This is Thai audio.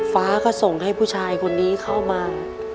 ฟ้าก็ส่งให้ผู้ชายคนนี้เข้ามา